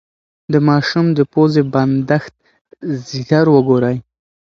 د ماشوم د پوزې بندښت ژر وګورئ.